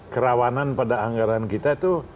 kerawanan pada anggaran kita itu